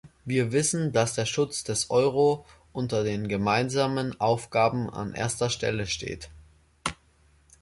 Wir wissen, dass der Schutz des Euro unter den gemeinsamen Aufgaben an erster Stelle steht.